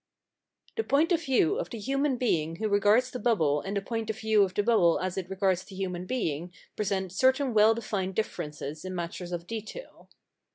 The point of view of the human being who regards the bubble and the point of view of the bubble as it regards the human being present certain well defined differences in matters of detail.